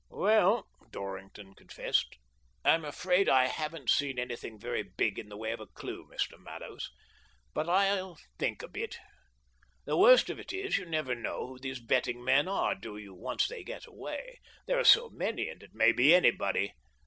"Well," Dorrington confessed, "I'm afraid I haven't seen anything very big in the way of a clue, Mr. Mallows; but I'll think a bit. The worst of it is, 5^ou never know who these betting men are, do you, once they get away ? There are so many, and it may be anybody.